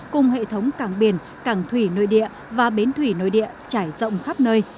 cùng hệ thống cảng biển cảng thủy nội địa và bến thủy nội địa trải rộng khắp nơi